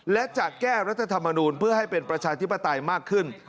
และจะแก้รัฐธรรมนูลเพื่อให้เป็นประชาธิปไตยมากขึ้น